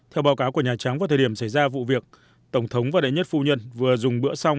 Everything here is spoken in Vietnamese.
theo báo cáo của nhà trắng vào thời điểm xảy ra vụ việc tổng thống và đại nhất phu nhân vừa dùng bữa song